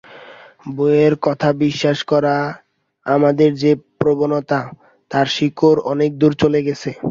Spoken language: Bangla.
বইয়ের কথা বিশ্বাস করার আমাদের যে-প্রবণতা তার শিকড় অনেকদূর চলে গেছে।